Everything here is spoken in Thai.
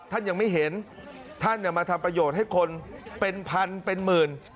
ท่านยังไม่เห็นท่านมาทำประโยชน์ให้คนเป็นพันเป็นหมื่น